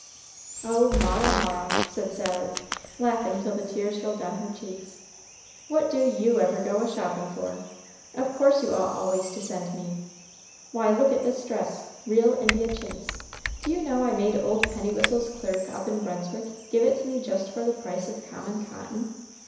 "Oh, Mara, Mara," said Sally, laughing till the tears rolled down her cheeks, "what do you ever go a shopping for? of course you ought always to send me. Why, look at this dress real India chintz; do you know I made old Pennywhistle's clerk up in Brunswick give it to me just for the price of common cotton?